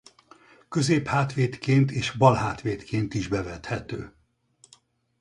Középhátvédként és balhátvédként is bevethető.